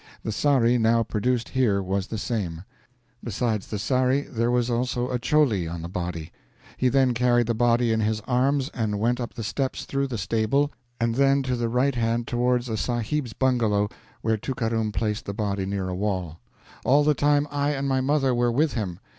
The 'saree' now produced here was the same. Besides the 'saree', there was also a 'cholee' on the body. He then carried the body in his arms, and went up the steps, through the stable, and then to the right hand towards a Sahib's bungalow, where Tookaram placed the body near a wall. All the time I and my mother were with him.